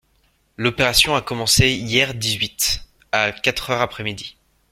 L'opération a commencé hier dix-huit, à quatre heures après midi.